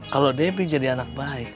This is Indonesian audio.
kalau debbie jadi anak baik